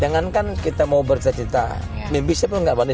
dengan kan kita mau bercerita cerita mimpi saya pun gak panas